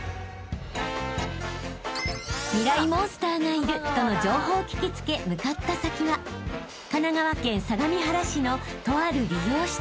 モンスターがいるとの情報を聞き付け向かった先は神奈川県相模原市のとある理容室］